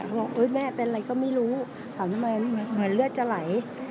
บอกแม่เป็นอะไรก็ไม่รู้ถามทำไมเหมือนเลือดจะไหล